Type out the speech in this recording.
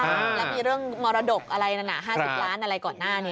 และมีเรื่องมรดก๕๐ล้านอะไรก่อนหน้านี้